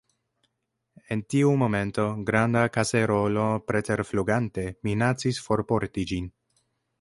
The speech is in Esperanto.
En tiu momento granda kaserolo preterflugante minacis forporti ĝin.